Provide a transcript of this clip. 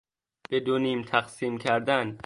به دو نیم تقسیم کردن